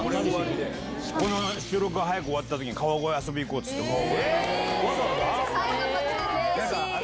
この収録が早く終わったときに、川越遊びに行こうっていって、もう。